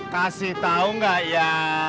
kasih tau gak ya